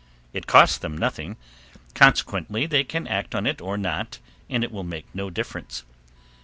It costs them nothing consequently they can act on it or not and it will make no difference.